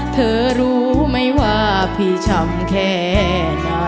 เธอรู้ไหมว่าพี่ช้ำแค่ไหน